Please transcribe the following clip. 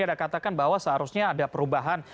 ada katakan bahwa seharusnya ada perubahan